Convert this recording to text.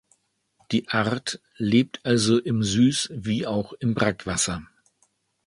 Die Art lebt also im Süß- wie auch im Brackwasser.